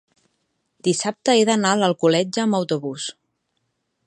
dissabte he d'anar a Alcoletge amb autobús.